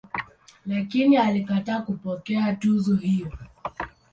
Lakini alikataa kupokea tuzo hiyo.